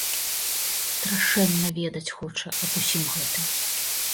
Страшэнна ведаць хоча, аб усім гэтым.